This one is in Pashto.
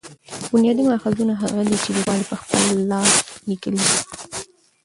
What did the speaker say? بنیادي ماخذونه هغه دي، چي لیکوال په خپل لاس لیکلي يي.